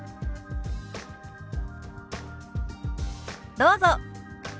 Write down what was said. どうぞ。